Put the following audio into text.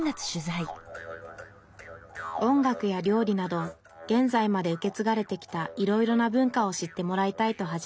音楽や料理など現在まで受け継がれてきたいろいろな文化を知ってもらいたいと始めました